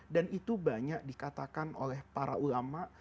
dan itu banyak dikatakan oleh para ulama